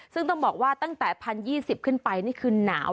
ซึ่งต้องบอกว่าตั้งแต่๑๐๒๐กันต่อไปคืนหนาว